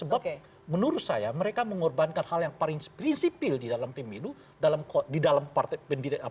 sebab menurut saya mereka mengorbankan hal yang paling prinsipil di dalam pemilu di dalam partai politik